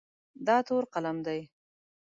دا تور قلم دی.